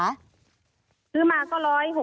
ซื้อมาก็๑๖๐